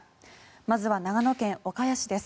まずは長野県岡谷市です。